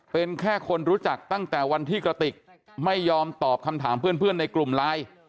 เป็นแค่คนรู้จักตั้งแต่วันที่กระติกไม่ยอมตอบคำถามเพื่อนในกลุ่มไลน์